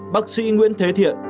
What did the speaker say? bác sĩ nguyễn thế thiện